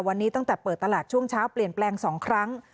วันนี้ตั้งแต่เปิดตลาดช่วงเช้าเปลี่ยนแปลง๒ครั้ง